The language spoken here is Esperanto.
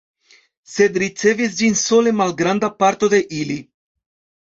Sed ricevis ĝin sole malgranda parto de ili.